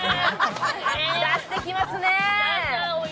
出してきますね。